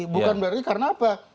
bukan berarti karena apa